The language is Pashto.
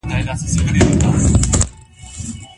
نړیوال قوانین د هیوادونو ترمنځ د پولو درناوی کوي.